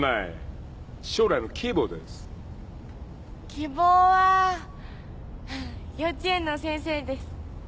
希望は幼稚園の先生です。